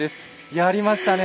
やりましたね。